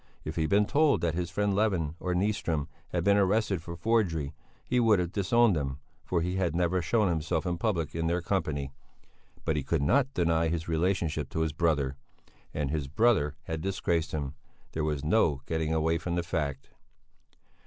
If he had been told that his friend Levin, or Nyström, had been arrested for forgery, he would have disowned them, for he had never shown himself in public in their company. But he could not deny his relationship to his brother. And his brother had disgraced him. There was no getting away from the fact.